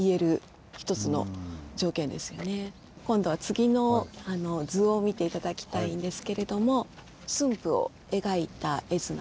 今度は次の図を見て頂きたいんですけれども駿府を描いた絵図なんですね。